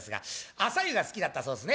朝湯が好きだったそうですね。